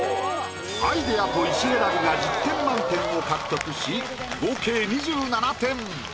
アイディアと石選びが１０点満点を獲得し合計２７点。